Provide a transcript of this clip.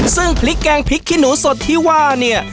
ซึ่งพริกแกงพริกขี้หนูสดที่ว่าเนี่ย